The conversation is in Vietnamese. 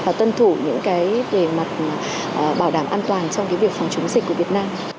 và tuân thủ những cái bề mặt bảo đảm an toàn trong cái việc phòng chống dịch của việt nam